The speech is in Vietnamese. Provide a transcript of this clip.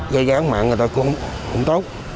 gây gán mạng người ta cũng không tốt